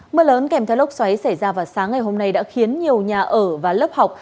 mưa lớn kèm theo lốc xoáy xảy ra vào sáng ngày hôm nay đã khiến nhiều nhà ở và lớp học